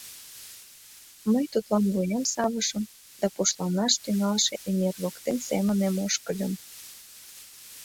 Мый тудлан вуем савышым да пушланаш тӱҥалше эҥер воктен семынем ошкыльым.